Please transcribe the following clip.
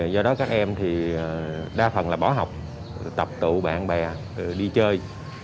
do đó các em thì đa phần là bỏ học tập tụ bạn bè đi chơi